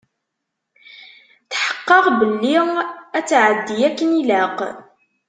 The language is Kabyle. Tḥeqqeɣ belli ad tεeddi akken ilaq.